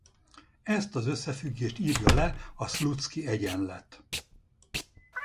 Ezt az összefüggést írja le a Slutsky-egyenlet.